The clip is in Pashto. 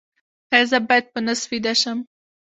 ایا زه باید په نس ویده شم؟